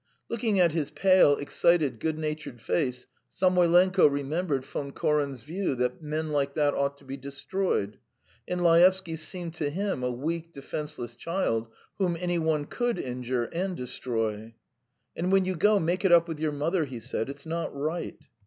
Looking at his pale, excited, good natured face, Samoylenko remembered Von Koren's view that men like that ought to be destroyed, and Laevsky seemed to him a weak, defenceless child, whom any one could injure and destroy. "And when you go, make it up with your mother," he said. "It's not right."